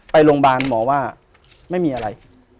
ไปโรงบาลหมอไม่มีอะไร